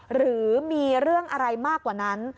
หรือมีเรื่องอะไรมากกว่านั้น